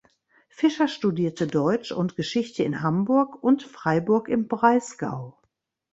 Fischer studierte Deutsch und Geschichte in Hamburg und Freiburg im Breisgau.